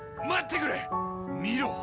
待ってくれ！